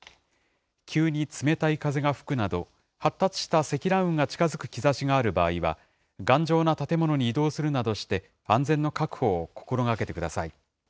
急に冷たい風が吹くなど、発達した積乱雲が近づく兆しがある場合は、頑丈な建物に移動するなどして安全の確保を心がけてください。